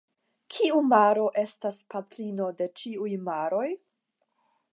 Kiu maro estas patrino de ĉiuj maroj?